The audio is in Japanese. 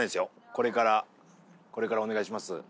これからお願いします。